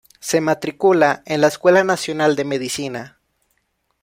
Se matricula en la Escuela Nacional de Medicina.